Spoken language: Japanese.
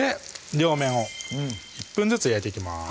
両面を１分ずつ焼いていきます